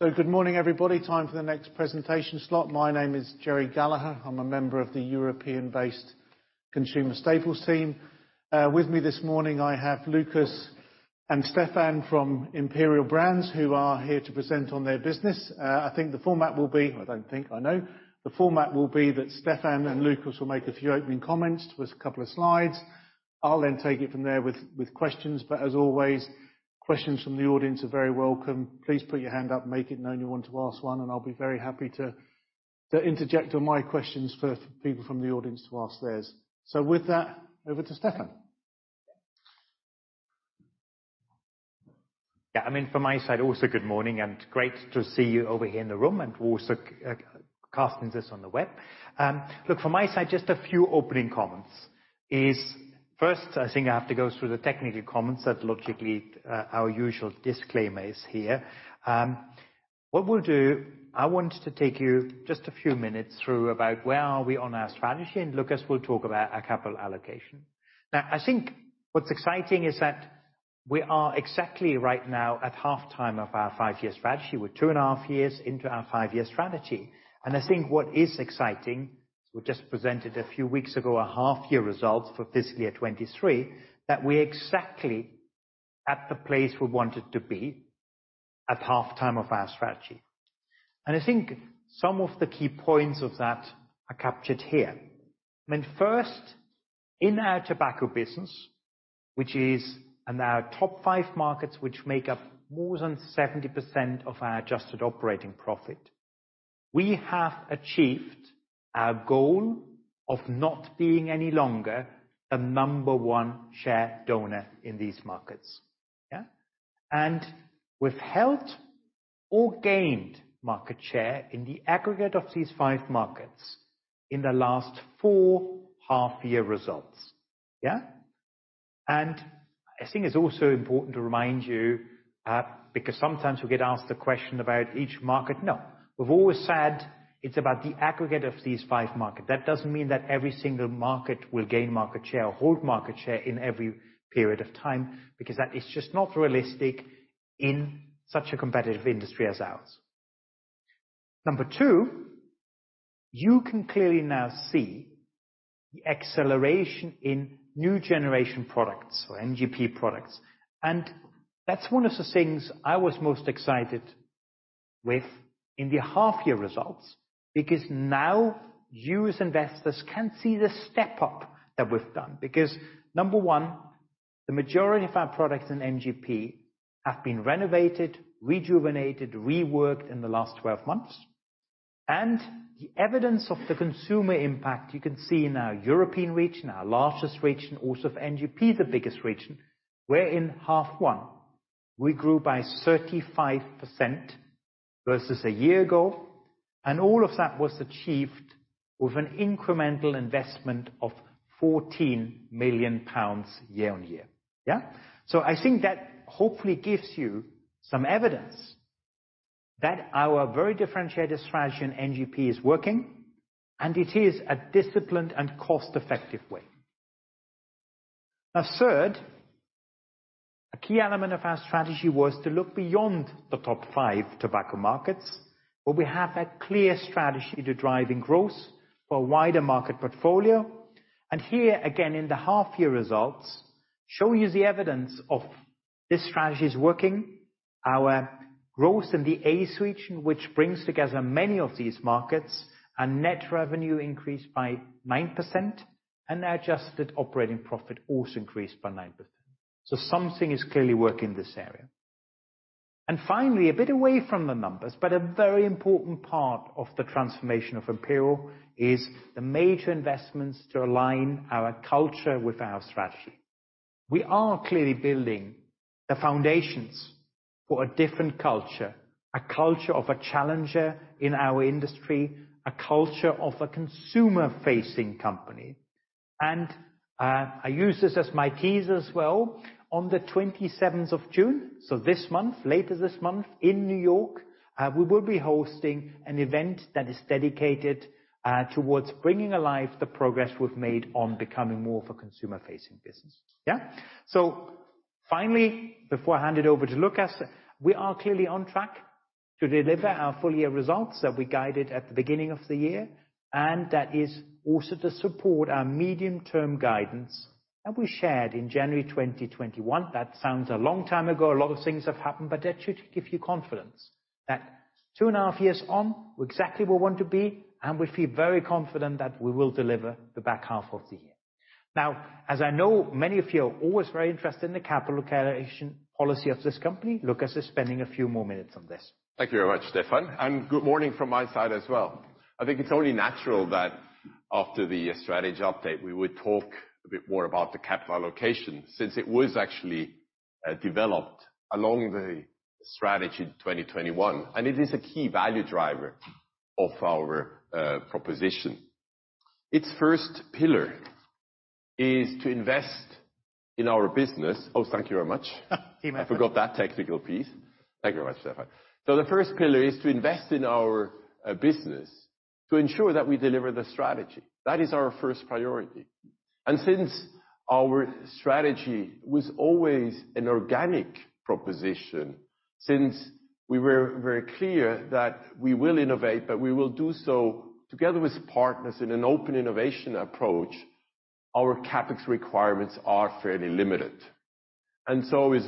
Good morning, everybody. Time for the next presentation slot. My name is Gerry Gallagher. I'm a member of the European-based consumer staples team. With me this morning, I have Lukas and Stefan from Imperial Brands, who are here to present on their business. I think the format will be... I don't think, I know. The format will be that Stefan and Lukas will make a few opening comments with a couple of slides. I'll then take it from there with questions, but as always, questions from the audience are very welcome. Please put your hand up, make it known you want to ask one, and I'll be very happy to interject on my questions for people from the audience to ask theirs. With that, over to Stefan. Yeah, I mean, from my side, also good morning, and great to see you over here in the room, and also casting this on the web. Look, from my side, just a few opening comments, is first, I think I have to go through the technical comments that logically, our usual disclaimer is here. What we'll do, I want to take you just a few minutes through about where are we on our strategy. Lukas will talk about our capital allocation. I think what's exciting is that we are exactly right now at half-time of our five-year strategy. We're two and a half years into our five-year strategy. I think what is exciting, we just presented a few weeks ago, a half-year results for fiscal year 23, that we're exactly at the place we wanted to be at half-time of our strategy. I think some of the key points of that are captured here. I mean, first, in our tobacco business, which is in our top five markets, which make up more than 70% of our adjusted operating profit, we have achieved our goal of not being any longer the number one share donor in these markets. Yeah? We've held or gained market share in the aggregate of these five markets in the last four half-year results. Yeah? I think it's also important to remind you, because sometimes we get asked the question about each market. No, we've always said it's about the aggregate of these five markets. That doesn't mean that every single market will gain market share or hold market share in every period of time, because that is just not realistic in such a competitive industry as ours. Number two, you can clearly now see the acceleration in new generation products or NGP products. That's one of the things I was most excited with in the half-year results. Now, you as investors, can see the step up that we've done. Number one, the majority of our products in NGP have been renovated, rejuvenated, reworked in the last 12 months. The evidence of the consumer impact, you can see in our European region, our largest region, also of NGP, the biggest region, where in half one, we grew by 35% versus a year ago. All of that was achieved with an incremental investment of 14 million pounds year-on-year. Yeah. I think that hopefully gives you some evidence that our very differentiated strategy in NGP is working. It is a disciplined and cost-effective way. Third, a key element of our strategy was to look beyond the top five tobacco markets, where we have a clear strategy to driving growth for a wider market portfolio. Here, again, in the half-year results, show you the evidence of this strategy is working. Our growth in the AAACE region, which brings together many of these markets, and net revenue increased by 9%, and our adjusted operating profit also increased by 9%. Something is clearly working in this area. Finally, a bit away from the numbers, but a very important part of the transformation of Imperial, is the major investments to align our culture with our strategy. We are clearly building the foundations for a different culture, a culture of a challenger in our industry, a culture of a consumer-facing company. I use this as my tease as well. On the 27th of June, so this month, later this month in New York, we will be hosting an event that is dedicated towards bringing alive the progress we've made on becoming more of a consumer-facing business. Finally, before I hand it over to Lukas, we are clearly on track to deliver our full year results that we guided at the beginning of the year, and that is also to support our medium-term guidance that we shared in January 2021. That sounds a long time ago. A lot of things have happened, that should give you confidence that two and a half years on, we're exactly where we want to be, and we feel very confident that we will deliver the back half of the year. Now, as I know, many of you are always very interested in the capital allocation policy of this company. Lukas is spending a few more minutes on this. Thank you very much, Stefan. Good morning from my side as well. I think it's only natural that after the strategy update, we would talk a bit more about the capital allocation, since it was actually developed along the strategy in 2021, and it is a key value driver of our proposition. Its first pillar is to invest in our business. Oh, thank you very much. I forgot that technical piece. Thank you very much, Stefan. The first pillar is to invest in our business to ensure that we deliver the strategy. That is our first priority. Since our strategy was always an organic proposition, since we were very clear that we will innovate, but we will do so together with partners in an open innovation approach, our CapEx requirements are fairly limited. Also is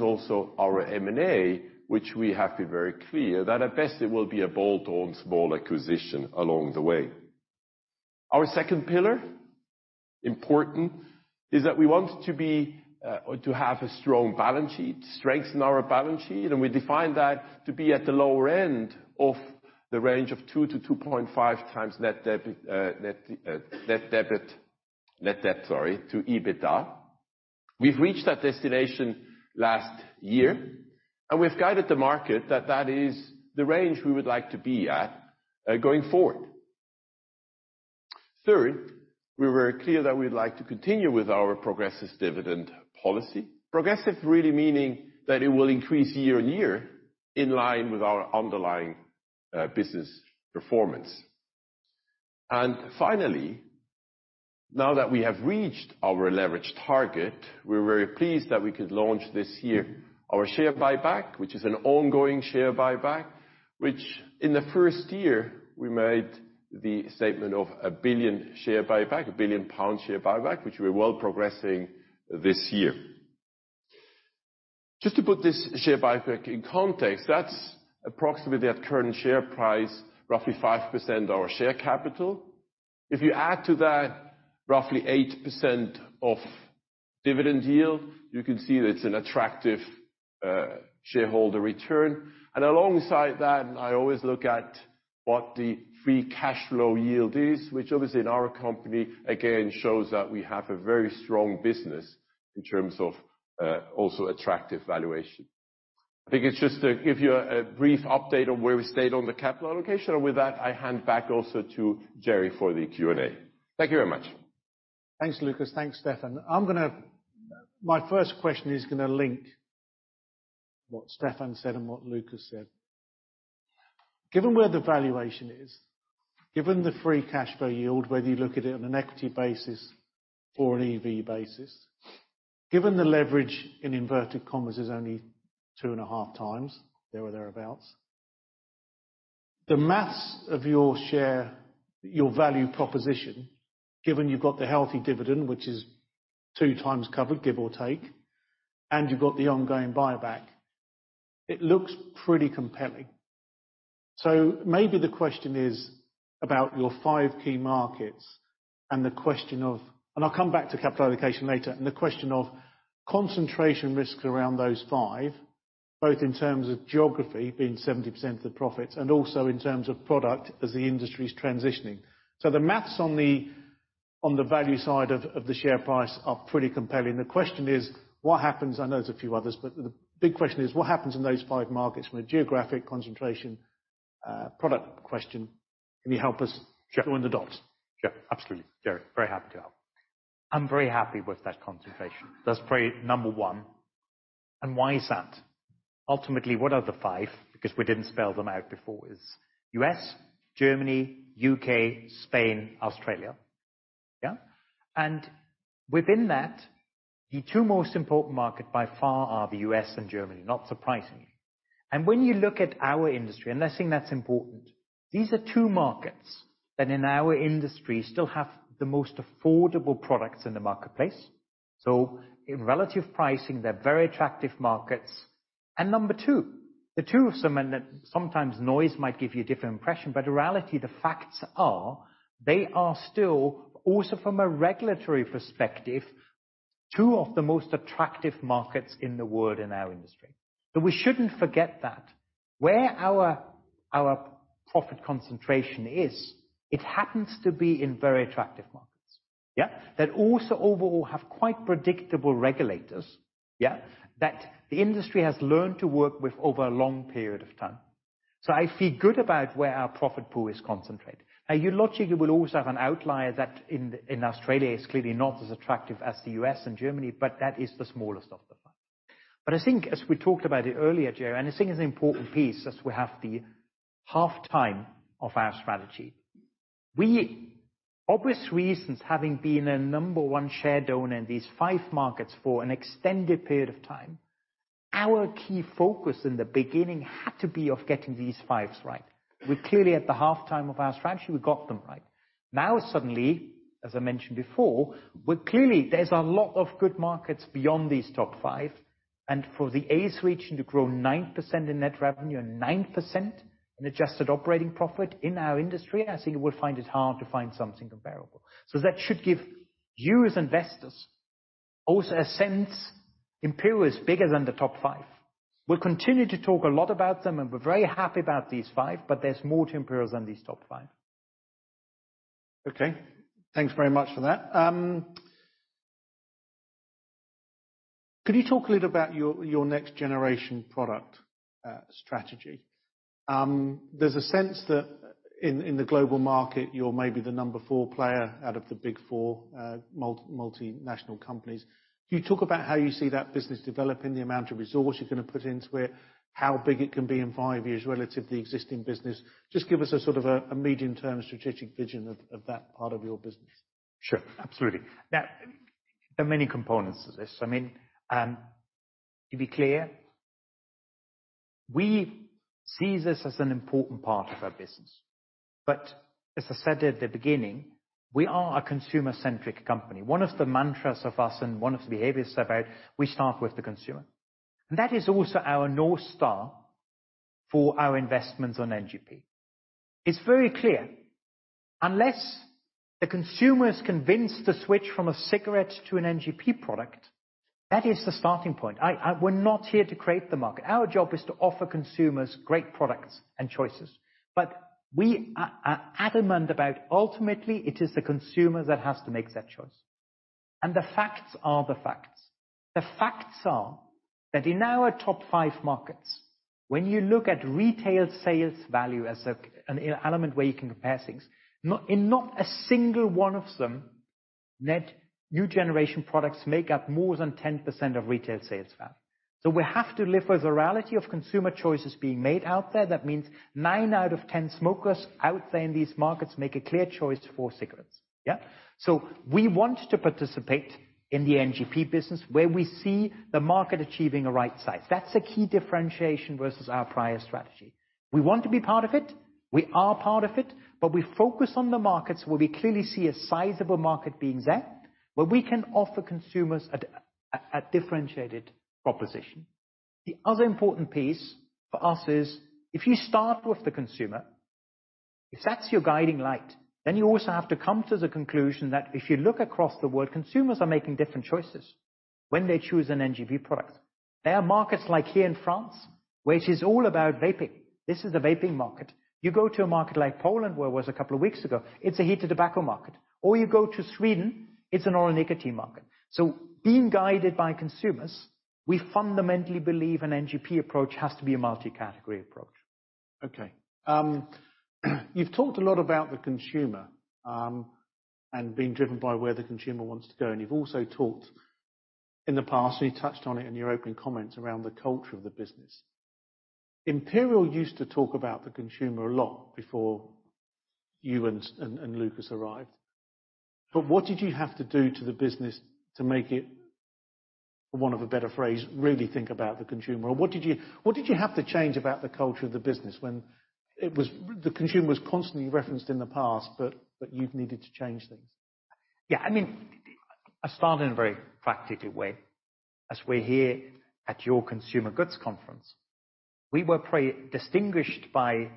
our M&A, which we have been very clear that at best it will be a bolt-on small acquisition along the way. Our second pillar, important, is that we want to be or to have a strong balance sheet, strengthen our balance sheet, and we define that to be at the lower end of the range of 2-2.5 times net debt to EBITDA. We've reached that destination last year, and we've guided the market that that is the range we would like to be at going forward. Third, we were clear that we'd like to continue with our progressive dividend policy. Progressive really meaning that it will increase year-on-year in line with our underlying business performance. Finally, now that we have reached our leverage target, we're very pleased that we could launch this year our share buyback, which is an ongoing share buyback, which in the first year, we made the statement of a 1 billion share buyback, a 1 billion pound share buyback, which we're well progressing this year. Just to put this share buyback in context, that's approximately at current share price, roughly 5% our share capital. If you add to that, roughly 8% of dividend yield, you can see that it's an attractive shareholder return. Alongside that, I always look at what the free cash flow yield is, which obviously in our company, again, shows that we have a very strong business in terms of also attractive valuation. I think it's just to give you a brief update on where we stayed on the capital allocation. With that, I hand back also to Gerry for the Q&A. Thank you very much. Thanks, Lukas. Thanks, Stefan. My first question is gonna link what Stefan said and what Lukas said. Given where the valuation is, given the free cash flow yield, whether you look at it on an equity basis or an EV basis, given the leverage in inverted commas is only two and half times, there or thereabouts, the math of your share, your value proposition, given you've got the healthy dividend, which is two times covered, give or take, and you've got the ongoing buyback, it looks pretty compelling. Maybe the question is about your five key markets and the question of, and I'll come back to capital allocation later, and the question of concentration risk around those five, both in terms of geography being 70% of the profits and also in terms of product as the industry is transitioning. The math on the, on the value side of the share price are pretty compelling. The question is, what happens? I know there's a few others, but the big question is, what happens in those five markets from a geographic concentration, product question? Can you help us join the dots? Sure. Absolutely, Gerry. Very happy to help. I'm very happy with that concentration. That's probably number one. Why is that? Ultimately, what are the five? Because we didn't spell them out before, is U.S., Germany, U.K., Spain, Australia. Yeah? Within that, the two most important market by far are the U.S. and Germany, not surprisingly. When you look at our industry, and I think that's important, these are twotwo markets that in our industry still have the most affordable products in the marketplace. In relative pricing, they're very attractive markets. Number two, the two of them, and sometimes noise might give you a different impression, but in reality, the facts are they are still, also from a regulatory perspective, two of the most attractive markets in the world in our industry. We shouldn't forget that where our profit concentration is, it happens to be in very attractive markets that also overall have quite predictable regulators that the industry has learned to work with over a long period of time. I feel good about where our profit pool is concentrated. Now, you logically will always have an outlier that in Australia is clearly not as attractive as the U.S. and Germany, but that is the smallest of the five. I think as we talked about it earlier, Gerry, and I think it's an important piece, as we have the half-time of our strategy. We, obvious reasons, having been a number one share owner in these five markets for an extended period of time, our key focus in the beginning had to be of getting these five's right. We're clearly at the half-time of our strategy, we got them right. Suddenly, as I mentioned before, we're clearly, there's a lot of good markets beyond these top five, and for the AAACE region to grow 9% in net revenue and 9% in adjusted operating profit in our industry, I think you will find it hard to find something comparable. That should give you as investors also a sense, Imperial is bigger than the top five. We'll continue to talk a lot about them, and we're very happy about these five, but there's more to Imperial than these top five. Okay, thanks very much for that. Could you talk a little about your next generation product strategy? There's a sense that in the global market, you're maybe the number four player out of the big four multinational companies. Can you talk about how you see that business developing, the amount of resource you're going to put into it, how big it can be in five years relative to the existing business? Just give us a sort of a medium-term strategic vision of that part of your business. Sure, absolutely. Now, there are many components to this. I mean. To be clear, we see this as an important part of our business. As I said at the beginning, we are a consumer-centric company. One of the mantras of us and one of the behaviors about, we start with the consumer. That is also our North Star for our investments on NGP. It's very clear, unless the consumer is convinced to switch from a cigarette to an NGP product, that is the starting point. We're not here to create the market. Our job is to offer consumers great products and choices, but we are adamant about ultimately, it is the consumer that has to make that choice. The facts are the facts. The facts are that in our top five markets, when you look at retail sales value as an element where you can compare things, not in a single one of them, net new generation products make up more than 10% of retail sales value. We have to live with the reality of consumer choices being made out there. That means nine out of 10 smokers out there in these markets make a clear choice for cigarettes. Yeah? We want to participate in the NGP business, where we see the market achieving the right size. That's a key differentiation versus our prior strategy. We want to be part of it. We are part of it, but we focus on the markets, where we clearly see a sizable market being there, where we can offer consumers a differentiated proposition. The other important piece for us is, if you start with the consumer, if that's your guiding light, then you also have to come to the conclusion that if you look across the world, consumers are making different choices when they choose an NGP product. There are markets like here in France, which is all about vaping. This is a vaping market. You go to a market like Poland, where I was a couple of weeks ago, it's a heated tobacco market. You go to Sweden, it's an oral nicotine market. Being guided by consumers, we fundamentally believe an NGP approach has to be a multi-category approach. Okay, you've talked a lot about the consumer, and being driven by where the consumer wants to go, and you've also talked in the past, and you touched on it in your opening comments around the culture of the business. Imperial used to talk about the consumer a lot before you and Lukas arrived, but what did you have to do to the business to make it, for want of a better phrase, really think about the consumer? What did you have to change about the culture of the business when it was. The consumer was constantly referenced in the past, but you've needed to change things? I mean, I start in a very practical way. We're here at your consumer goods conference, we were pretty distinguished by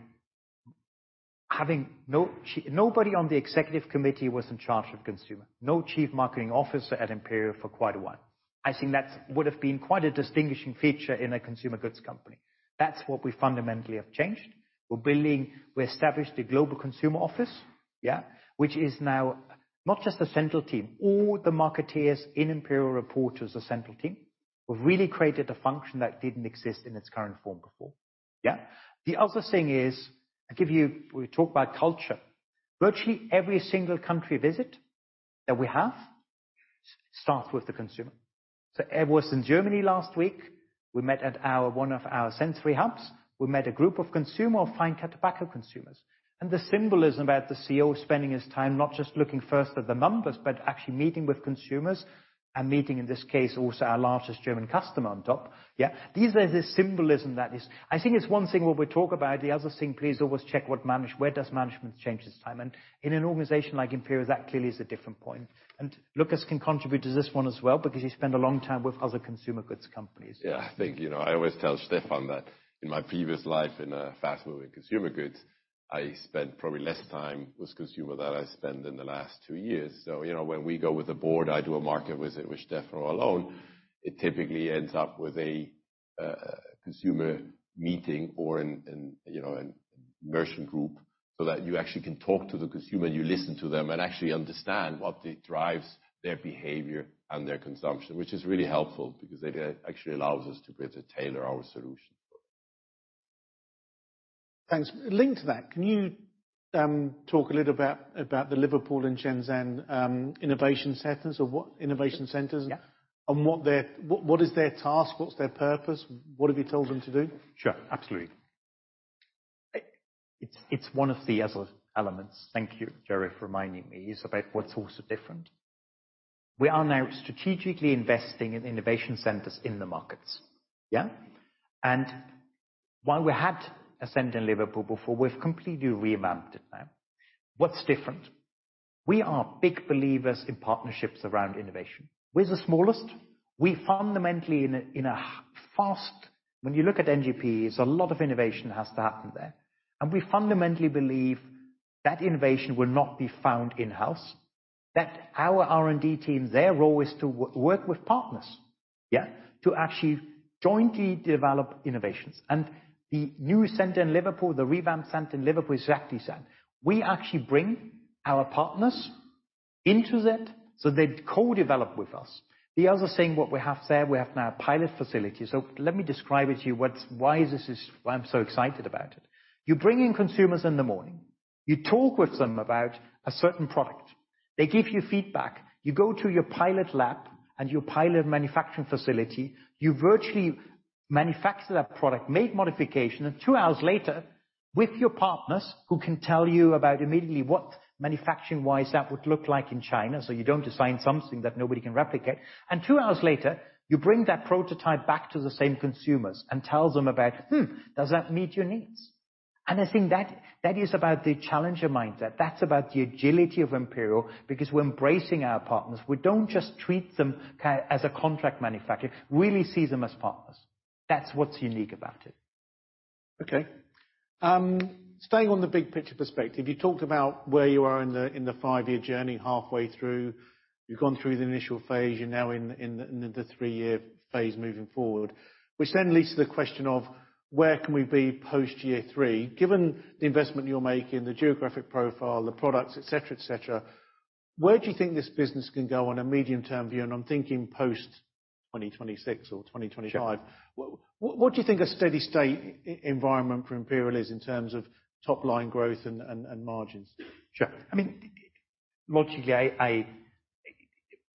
having nobody on the executive committee was in charge of consumer, no chief marketing officer at Imperial for quite a while. I think that would have been quite a distinguishing feature in a consumer goods company. That's what we fundamentally have changed. We established a Global Consumer Office, yeah, which is now not just a central team. All the marketeers in Imperial report to the central team. We've really created a function that didn't exist in its current form before. Yeah? The other thing is, I give you, we talk about culture. Virtually every single country visit that we have, starts with the consumer. I was in Germany last week. We met at our, one of our Sense Hubs. We met a group of consumer, of fine cut tobacco consumers. The symbolism about the CEO spending his time, not just looking first at the numbers, but actually meeting with consumers and meeting, in this case, also our largest German customer on top. Yeah, these are the symbolism that is. I think it's one thing when we talk about, the other thing, please always check where does management change its time? In an organization like Imperial, that clearly is a different point. Lukas can contribute to this one as well, because he spent a long time with other consumer goods companies. I think, you know, I always tell Stefan that in my previous life, in fast-moving consumer goods, I spent probably less time with consumer than I spend in the last two years. You know, when we go with the board, I do a market visit, with Stefan or alone, it typically ends up with a consumer meeting or an, you know, an immersion group, so that you actually can talk to the consumer, and you listen to them and actually understand what drives their behavior and their consumption. Which is really helpful because it actually allows us to be able to tailor our solution. Thanks. Linked to that, can you talk a little about the Liverpool and Shenzhen innovation centers? Yeah. What is their task? What's their purpose? What have you told them to do? Sure, absolutely. It's one of the other elements, thank you, Jerry, for reminding me, is about what's also different. We are now strategically investing in innovation centers in the markets. Yeah? While we had a center in Liverpool before, we've completely revamped it now. What's different? We are big believers in partnerships around innovation. We're the smallest. We fundamentally, when you look at NGPs, a lot of innovation has to happen there, and we fundamentally believe that innovation will not be found in-house, that our R&D team, their role is to work with partners. Yeah? To actually jointly develop innovations. The new center in Liverpool, the revamped center in Liverpool, is exactly that. We actually bring our partners into it, so they co-develop with us. The other thing, what we have there, we have now a pilot facility. Let me describe it to you, why this is, why I'm so excited about it. You bring in consumers in the morning, you talk with them about a certain product. They give you feedback. You go to your pilot lab and your pilot manufacturing facility, you manufacture that product, make modification, and two hours later, with your partners, who can tell you about immediately what manufacturing-wise that would look like in China, so you don't design something that nobody can replicate. Two hours later, you bring that prototype back to the same consumers and tells them about, Hmm, does that meet your needs? I think that is about the challenger mindset. That's about the agility of Imperial, because we're embracing our partners. We don't just treat them as a contract manufacturer, really see them as partners. That's what's unique about it. Okay. staying on the big picture perspective, you talked about where you are in the five-year journey, halfway through. You've gone through the initial phase, you're now in the three-year phase moving forward, which then leads to the question of: Where can we be post year three? Given the investment you're making, the geographic profile, the products, et cetera, et cetera, where do you think this business can go on a medium-term view? I'm thinking post 2026 or 2025. Sure. What do you think a steady state environment for Imperial is in terms of top line growth and margins? Sure. I mean, mostly,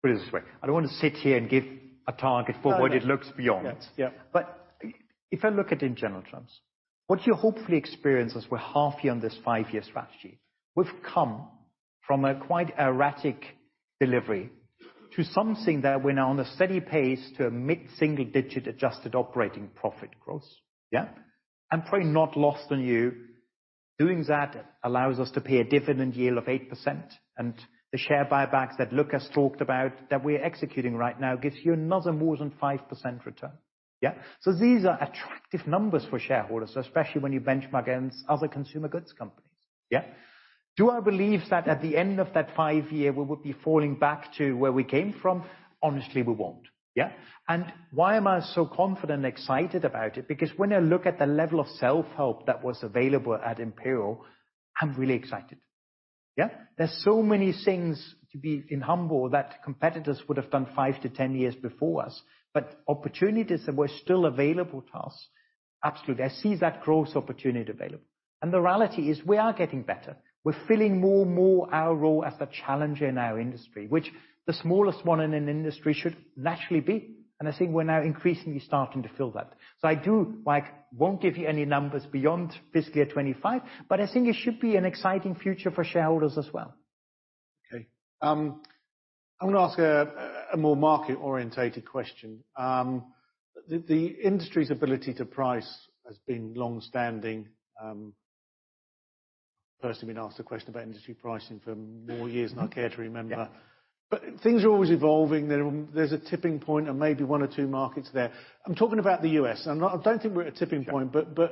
put it this way, I don't want to sit here and give a target for what it looks beyond. Yes. Yeah. If I look at in general terms, what you hopefully experience is we're halfway on this five-year strategy. We've come from a quite erratic delivery to something that we're now on a steady pace to a mid-single digit adjusted operating profit growth. Yeah? Probably not lost on you, doing that allows us to pay a dividend yield of 8%, and the share buybacks that Lukas talked about that we're executing right now, gives you another more than 5% return. Yeah? These are attractive numbers for shareholders, especially when you benchmark against other consumer goods companies. Yeah? Do I believe that at the end of that five year, we will be falling back to where we came from? Honestly, we won't. Yeah? Why am I so confident and excited about it? Because when I look at the level of self-help that was available at Imperial, I'm really excited. Yeah? There's so many things to be in humble that competitors would have done five to 10 years before us, but opportunities that were still available to us, absolutely. I see that growth opportunity available. The reality is we are getting better. We're filling more and more our role as a challenger in our industry, which the smallest one in an industry should naturally be, and I think we're now increasingly starting to fill that. I do, like, won't give you any numbers beyond fiscal year 25, but I think it should be an exciting future for shareholders as well. Okay. I want to ask a more market-oriented question. The industry's ability to price has been long-standing. Personally, been asked a question about industry pricing for more years than I care to remember. Yeah. things are always evolving. There's a tipping point and maybe one or two markets there. I'm talking about the US, I don't think we're at a tipping point. Yeah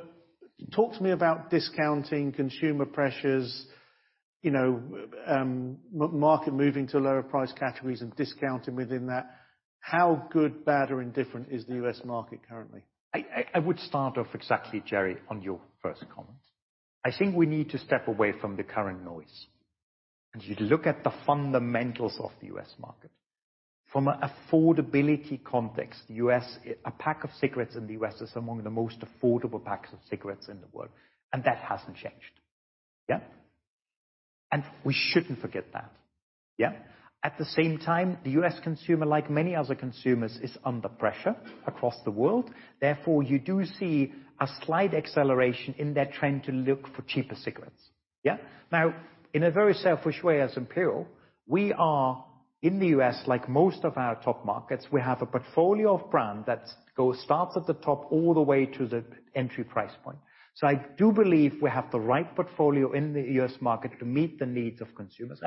Talk to me about discounting, consumer pressures, you know, market moving to lower price categories and discounting within that. How good, bad, or indifferent is the US market currently? I would start off exactly, Jerry, on your first comment. I think we need to step away from the current noise, and you look at the fundamentals of the US market. From an affordability context, a pack of cigarettes in the US is among the most affordable packs of cigarettes in the world, and that hasn't changed. Yeah? We shouldn't forget that, yeah? At the same time, the US consumer, like many other consumers, is under pressure across the world. Therefore, you do see a slight acceleration in their trend to look for cheaper cigarettes. Yeah? Now, in a very selfish way, as Imperial, we are in the US, like most of our top markets, we have a portfolio of brand that starts at the top all the way to the entry price point. I do believe we have the right portfolio in the U.S. market to meet the needs of consumers.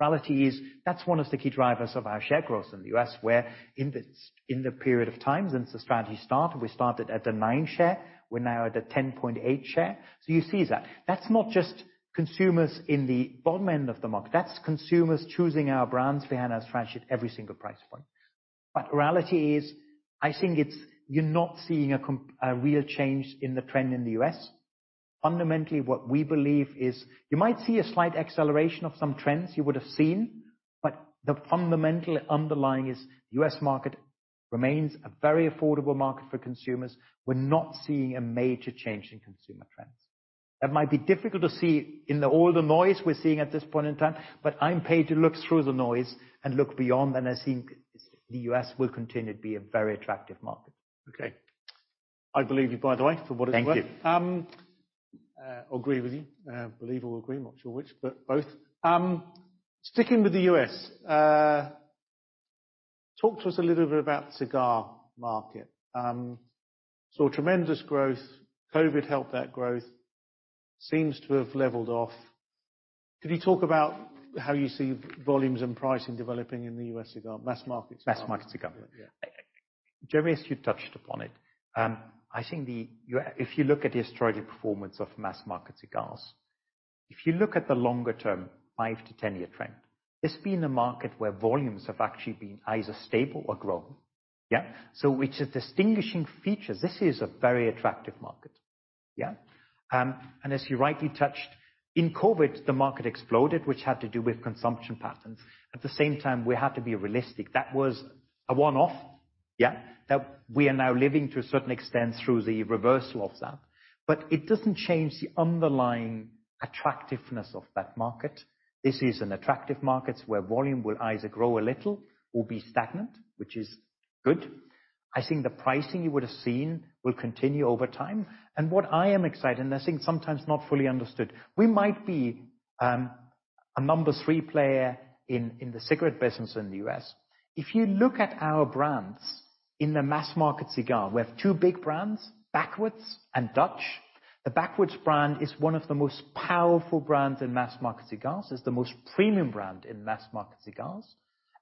Reality is, that's one of the key drivers of our share growth in the US, where in the period of time since the strategy started, we started at the nine share, we're now at a 10.8 share. You see that. That's not just consumers in the bottom end of the market, that's consumers choosing our brands behind our franchise at every single price point. Reality is, I think it's you're not seeing a real change in the trend in the U.S. Fundamentally, what we believe is you might see a slight acceleration of some trends you would have seen, but the fundamental underlying is U.S. market remains a very affordable market for consumers. We're not seeing a major change in consumer trends. That might be difficult to see in the all the noise we're seeing at this point in time, but I'm paid to look through the noise and look beyond, and I think the U.S. will continue to be a very attractive market. I believe you, by the way, for what it's worth. Thank you. Agree with you. Believe or agree, I'm not sure which, but both. Sticking with the U.S., talk to us a little bit about cigar market. Saw tremendous growth. COVID helped that growth. Seems to have leveled off. Could you talk about how you see volumes and pricing developing in the U.S. cigar, mass-market cigar? Mass-market cigar. Yeah. Gerry, as you touched upon it, I think if you look at the historical performance of mass market cigars, if you look at the longer term, five to 10 year trend, it's been a market where volumes have actually been either stable or growing. Yeah? Which is distinguishing features. This is a very attractive market. Yeah. As you rightly touched, in COVID, the market exploded, which had to do with consumption patterns. At the same time, we have to be realistic, that was a one-off, yeah, that we are now living to a certain extent through the reversal of that. It doesn't change the underlying attractiveness of that market. This is an attractive market where volume will either grow a little or be stagnant, which is good. I think the pricing you would have seen will continue over time. What I am excited, and I think sometimes not fully understood, we might be a number three player in the cigarette business in the U.S. If you look at our brands in the mass-market cigar, we have two big brands, Backwoods and Dutch. The Backwoods brand is one of the most powerful brands in mass-market cigars. It's the most premium brand in mass-market cigars,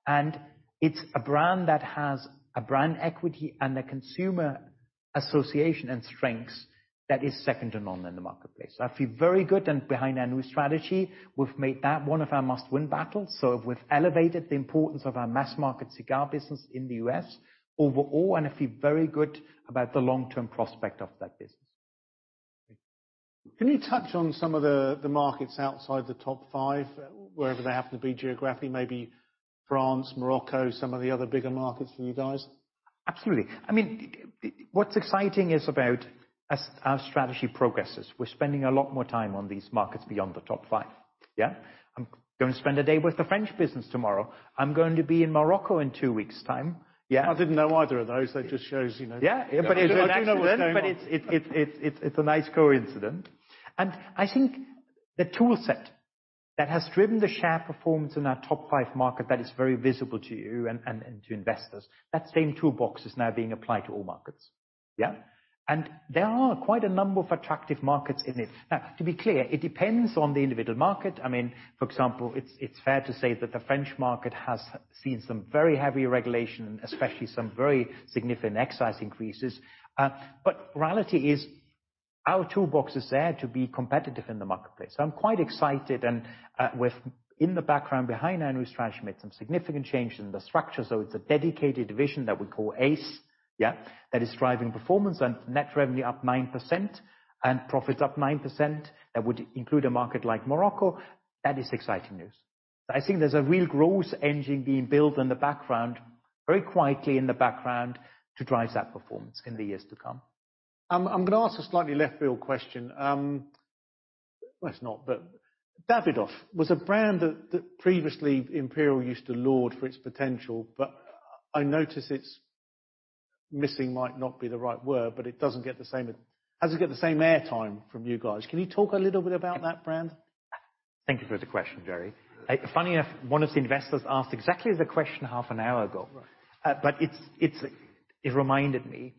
and it's a brand that has a brand equity and a consumer association and strengths that is second to none in the marketplace. I feel very good, behind our new strategy, we've made that one of our must-win battles. We've elevated the importance of our mass-market cigar business in the U.S. overall, and I feel very good about the long-term prospect of that business. Can you touch on some of the markets outside the top five, wherever they happen to be geographically? Maybe France, Morocco, some of the other bigger markets for you guys. Absolutely. I mean, what's exciting is about as our strategy progresses, we're spending a lot more time on these markets beyond the top five, yeah? I'm going to spend a day with the French business tomorrow. I'm going to be in Morocco in two weeks' time, yeah. I didn't know either of those. That just shows, you know- Yeah, it's an accident. I do know what's going on. It's a nice coincidence. I think the toolset that has driven the share performance in our top five market, that is very visible to you and to investors, that same toolbox is now being applied to all markets, yeah? There are quite a number of attractive markets in it. To be clear, it depends on the individual market. I mean, for example, it's fair to say that the French market has seen some very heavy regulation, especially some very significant excise increases. Reality is our toolbox is there to be competitive in the marketplace. I'm quite excited, and in the background behind our new strategy, made some significant changes in the structure. It's a dedicated division that we call AAACE, yeah, that is driving performance and net revenue up 9% and profits up 9%. That would include a market like Morocco. That is exciting news. I think there's a real growth engine being built in the background, very quietly in the background, to drive that performance in the years to come. I'm gonna ask a slightly left field question. Well, it's not. Davidoff was a brand that previously Imperial used to laud for its potential, but I notice it's missing, might not be the right word, but it doesn't get the same airtime from you guys. Can you talk a little bit about that brand? Thank you for the question, Gerry. Funny, one of the investors asked exactly the question half an hour ago. Right. It reminded me,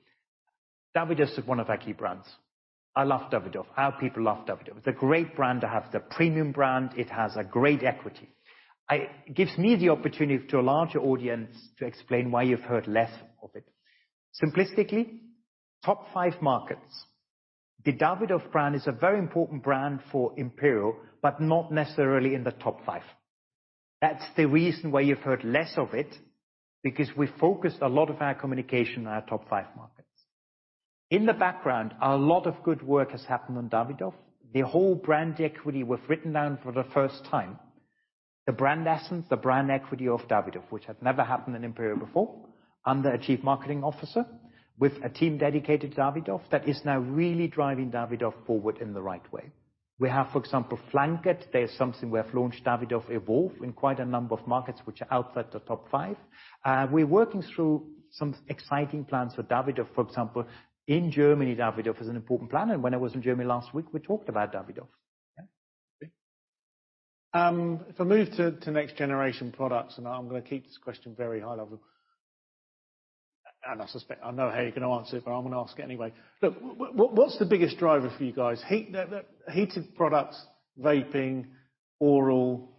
Davidoff is one of our key brands. I love Davidoff. Our people love Davidoff. It's a great brand to have. It's a premium brand. It has a great equity. It gives me the opportunity to a larger audience to explain why you've heard less of it. Simplistically, top five markets. The Davidoff brand is a very important brand for Imperial, but not necessarily in the top five. That's the reason why you've heard less of it, because we focused a lot of our communication on our top five markets. In the background, a lot of good work has happened on Davidoff. The whole brand equity was written down for the first time. The brand essence, the brand equity of Davidoff, which had never happened in Imperial before, under a chief marketing officer, with a team dedicated to Davidoff, that is now really driving Davidoff forward in the right way. We have, for example, Flankit. There is something we have launched, Davidoff Evolve, in quite a number of markets which are outside the top five. We're working through some exciting plans for Davidoff. For example, in Germany, Davidoff is an important brand, and when I was in Germany last week, we talked about Davidoff. Yeah. If I move to next generation products, I'm gonna keep this question very high level, and I suspect I know how you're gonna answer it, but I'm gonna ask it anyway. Lukas, what's the biggest driver for you guys? Heat, heated products, vaping, oral,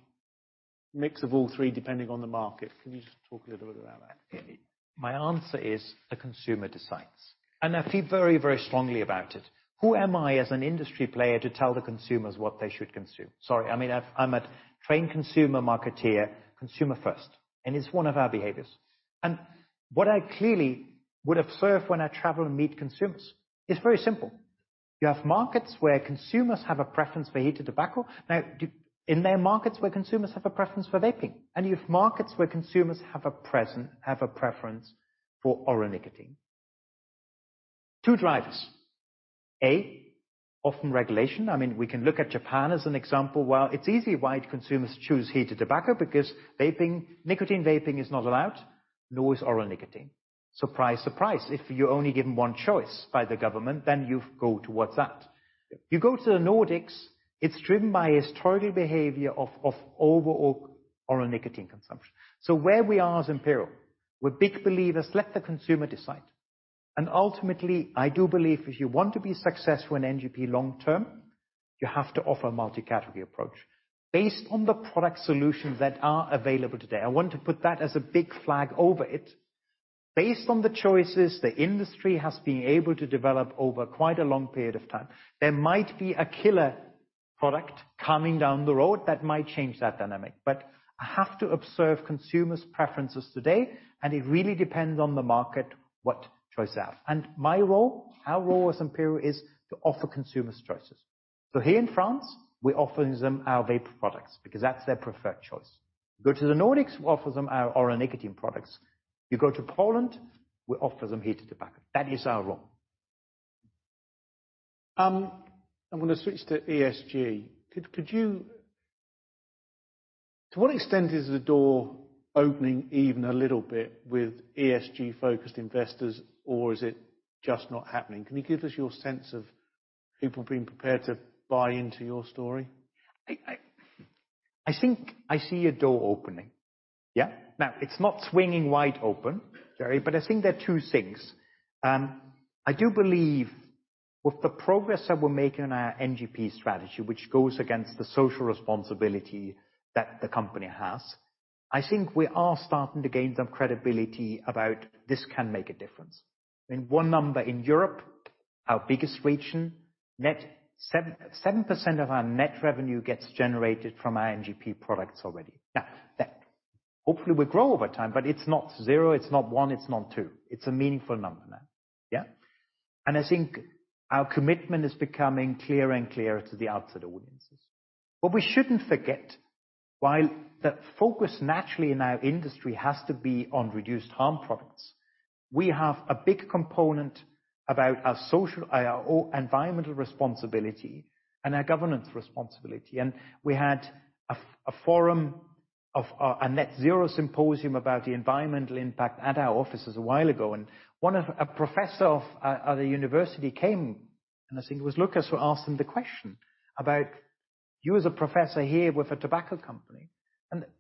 mix of all three, depending on the market. Can you just talk a little bit about that? My answer is the consumer decides. I feel very strongly about it. Who am I as an industry player to tell the consumers what they should consume? Sorry, I mean, I'm a trained consumer marketeer, consumer first. It's one of our behaviors. What I clearly would observe when I travel and meet consumers, it's very simple. You have markets where consumers have a preference for heated tobacco. Now, in their markets, where consumers have a preference for vaping, you have markets where consumers have a preference for oral nicotine. Two drivers: A, often regulation. I mean, we can look at Japan as an example, where it's easy why consumers choose heated tobacco, because vaping, nicotine vaping is not allowed, nor is oral nicotine. Surprise, surprise, if you're only given one choice by the government, you go towards that. You go to the Nordics, it's driven by historical behavior of overall oral nicotine consumption. Where we are as Imperial, we're big believers, let the consumer decide. Ultimately, I do believe if you want to be successful in NGP long term, you have to offer a multi-category approach. Based on the product solutions that are available today, I want to put that as a big flag over it. Based on the choices the industry has been able to develop over quite a long period of time, there might be a killer product coming down the road that might change that dynamic. I have to observe consumers' preferences today, and it really depends on the market, what choice they have. My role, our role as Imperial, is to offer consumers choices. Here in France, we're offering them our vape products because that's their preferred choice. You go to the Nordics, we offer them our oral nicotine products. You go to Poland, we offer them heated tobacco. That is our role. I'm gonna switch to ESG. Could you To what extent is the door opening even a little bit with ESG-focused investors, or is it just not happening? Can you give us your sense of people being prepared to buy into your story? I think I see a door opening. Yeah. It's not swinging wide open, Jerry, but I think there are two things. I do believe with the progress that we're making in our NGP strategy, which goes against the social responsibility that the company has, I think we are starting to gain some credibility about this can make a difference. In one number, in Europe, our biggest region, 7% of our net revenue gets generated from our NGP products already. That hopefully will grow over time, but it's not zero, it's not one, it's not two. It's a meaningful number now, yeah? I think our commitment is becoming clearer and clearer to the outside audiences. What we shouldn't forget, while the focus naturally in our industry has to be on reduced harm products, we have a big component about our social, our environmental responsibility and our governance responsibility. We had a forum of a net zero symposium about the environmental impact at our offices a while ago. A professor at the university came, and I think it was Lukas, who asked him the question about: You as a professor here with a tobacco company.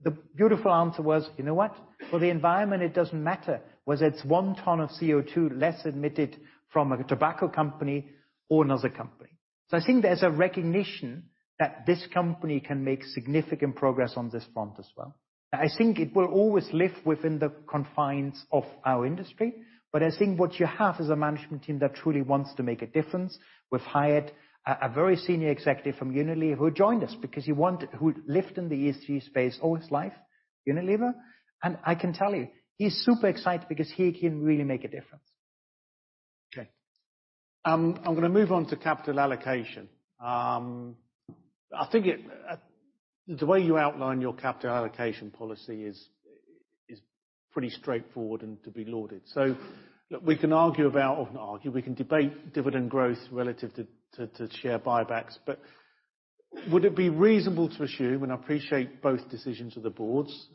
The beautiful answer was: "You know what? For the environment, it doesn't matter whether it's one ton of CO2 less emitted from a tobacco company or another company." I think there's a recognition that this company can make significant progress on this front as well. I think it will always live within the confines of our industry, but I think what you have is a management team that truly wants to make a difference. We've hired a very senior executive from Unilever who joined us because who lived in the ESG space all his life, Unilever. I can tell you, he's super excited because he can really make a difference. I'm going to move on to capital allocation. I think the way you outline your capital allocation policy is pretty straightforward and to be lauded. We can argue about, or not argue, we can debate dividend growth relative to share buybacks, but would it be reasonable to assume, and I appreciate both decisions of the Boards,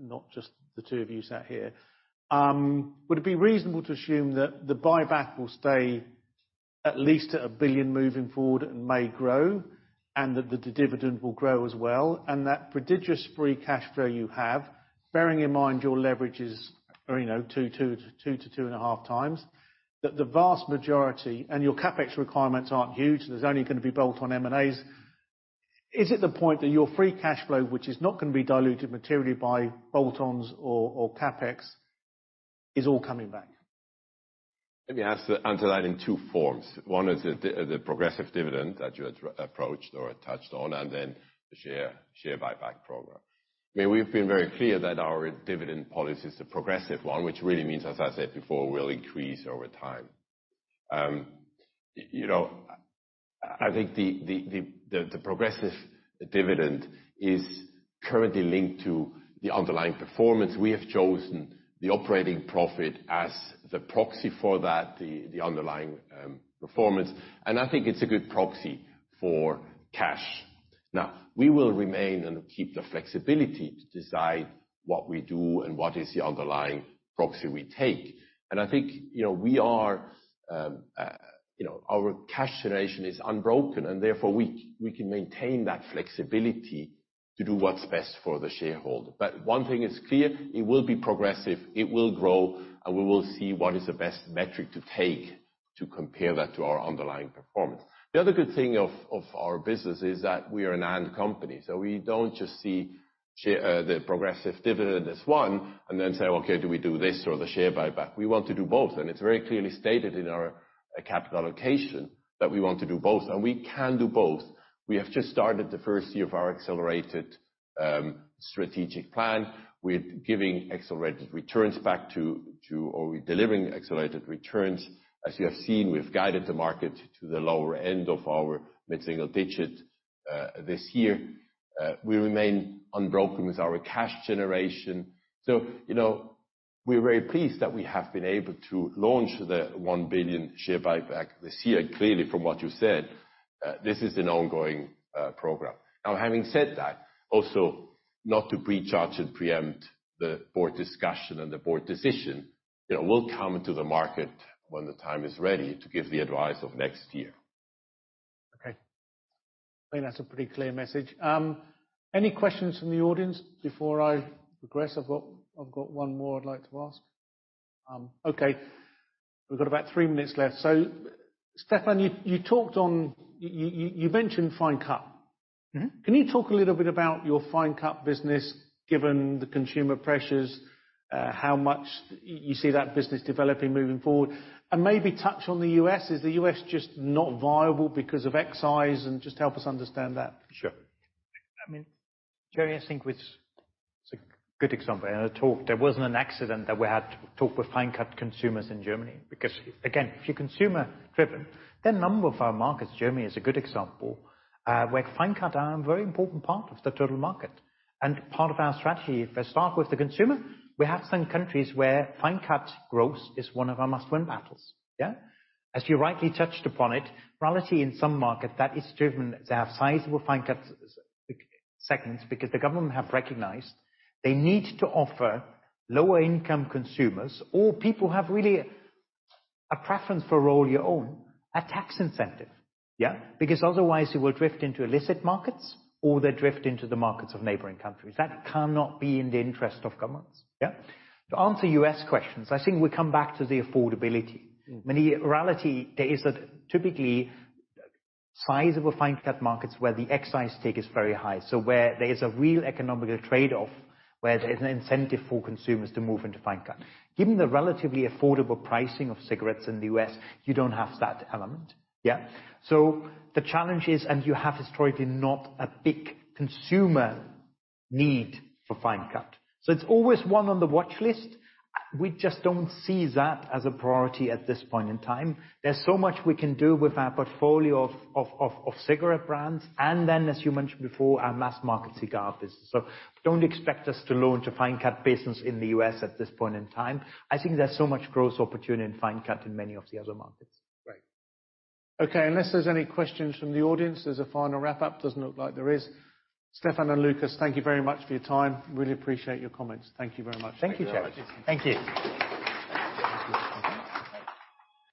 not just the two of you sat here. Would it be reasonable to assume that the buyback will stay at least at 1 billion moving forward and may grow, and that the dividend will grow as well, and that prodigious free cash flow you have, bearing in mind your leverage is, you know, two- two and a half times, that the vast majority, and your CapEx requirements aren't huge, there's only going to be built on M&As. Is it the point that your free cash flow, which is not gonna be diluted materially by bolt-ons or CapEx, is all coming back? Let me answer that in two forms. One is the progressive dividend that you approached or touched on, and then the share buyback program. I mean, we've been very clear that our dividend policy is a progressive one, which really means, as I said before, will increase over time. You know, I think the progressive dividend is currently linked to the underlying performance. We have chosen the operating profit as the proxy for that, the underlying performance, and I think it's a good proxy for cash. We will remain and keep the flexibility to decide what we do and what is the underlying proxy we take. I think, you know, we are, you know, our cash generation is unbroken, and therefore, we can maintain that flexibility to do what's best for the shareholder. One thing is clear, it will be progressive, it will grow, and we will see what is the best metric to take to compare that to our underlying performance. The other good thing of our business is that we are an and company, so we don't just see share, the progressive dividend as one and then say, Okay, do we do this or the share buyback?" We want to do both, and it's very clearly stated in our capital allocation that we want to do both, and we can do both. We have just started the first year of our accelerated strategic plan. We're delivering accelerated returns. As you have seen, we've guided the market to the lower end of our mid-single digit this year. We remain unbroken with our cash generation. You know, we're very pleased that we have been able to launch the 1 billion share buyback this year. Clearly, from what you said, this is an ongoing program. Having said that, also, not to pre-judge and preempt the board discussion and the board decision, you know, we'll come to the market when the time is ready to give the advice of next year. Okay. I think that's a pretty clear message. Any questions from the audience before I progress? I've got one more I'd like to ask. Okay, we've got about three minutes left. Stefan, you mentioned fine cut. Mm-hmm. Can you talk a little bit about your fine cut business, given the consumer pressures, how much you see that business developing moving forward? Maybe touch on the U.S. Is the U.S. just not viable because of excise? Just help us understand that. Sure. I mean, Gerry, I think it's a good example. In our talk, there wasn't an accident that we had to talk with fine cut consumers in Germany, because, again, if you're consumer-driven, then number of our markets, Germany is a good example, where fine cut are a very important part of the total market. Part of our strategy, if I start with the consumer, we have some countries where fine cut growth is one of our must-win battles. Yeah? As you rightly touched upon it, reality in some market that is driven, they have sizable fine cut segments because the government have recognized they need to offer lower-income consumers or people who have really a preference for roll your own, a tax incentive, yeah? Otherwise, they will drift into illicit markets, or they drift into the markets of neighboring countries. That cannot be in the interest of governments, yeah? To answer U.S. questions, I think we come back to the affordability. Mm. I mean, the reality there is that typically, size of a fine cut markets where the excise take is very high, so where there is a real economical trade-off, where there's an incentive for consumers to move into fine cut. Given the relatively affordable pricing of cigarettes in the U.S., you don't have that element, yeah? The challenge is, and you have historically, not a big consumer need for fine cut. It's always one on the watchlist. We just don't see that as a priority at this point in time. There's so much we can do with our portfolio of cigarette brands, as you mentioned before, our mass market cigar business. Don't expect us to launch a fine cut business in the U.S. at this point in time. I think there's so much growth opportunity in fine cut in many of the other markets. Great. Okay, unless there's any questions from the audience, there's a final wrap-up. Doesn't look like there is. Stefan and Lukas, thank you very much for your time. Really appreciate your comments. Thank you very much. Thank you, Jerry. Thank you.